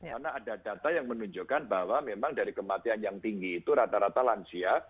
karena ada data yang menunjukkan bahwa memang dari kematian yang tinggi itu rata rata lansia